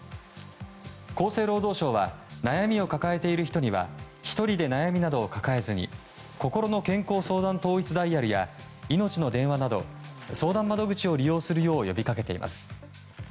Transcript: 厚生労働省は悩みを抱えている人には１人で悩みなどを抱えずにこころの健康相談統一ダイヤルやいのちの電話など相談窓口を利用するよう呼びかけています。